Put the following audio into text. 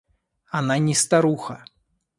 Она не старуха.